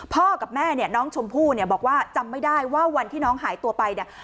กับแม่เนี่ยน้องชมพู่เนี่ยบอกว่าจำไม่ได้ว่าวันที่น้องหายตัวไปเนี่ย